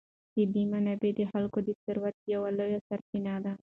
طبیعي منابع د خلکو د ثروت یوه لویه سرچینه ده.